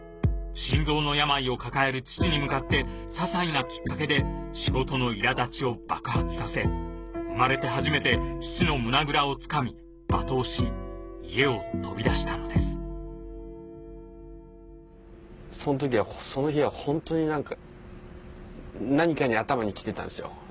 心臓の病を抱える父に向かって些細なきっかけで仕事のいら立ちを爆発させ生まれて初めて父の胸ぐらを掴み罵倒し家を飛び出したのですそん時はその日は本当に何か何かに頭にきてたんですよ。